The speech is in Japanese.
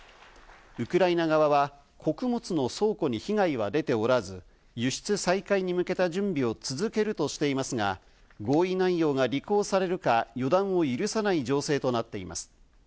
ウクライナ側は穀物の倉庫に被害は出ておらず、輸出再開に向けた準備を続けるとしていますが、合意内容が履行されるか、予断を許さない情勢となっています。